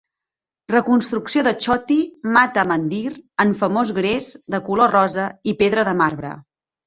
Reconstrucció de chotti mata mandir en famós gres de color rosa i pedra de marbre.